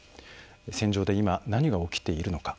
戦場で今、何が起きているのか。